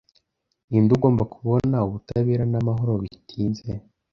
ninde ugomba kubona ubutabera n'amahoro bitinze